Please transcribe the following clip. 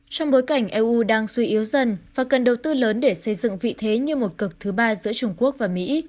trong bối cảnh eu đang suy yếu dần và cần đầu tư lớn để xây dựng vị thế như một cực thứ ba giữa trung quốc và mỹ